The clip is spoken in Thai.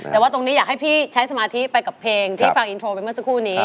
แต่ว่าตรงนี้อยากให้พี่ใช้สมาธิไปกับเพลงที่ฟังอินโทรไปเมื่อสักครู่นี้